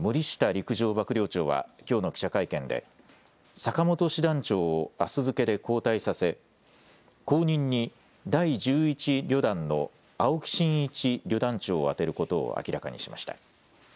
陸上幕僚長はきょうの記者会見で坂本師団長をあす付けで交代させ後任に第１１旅団の青木伸一旅団長を充てることを明らかにしました。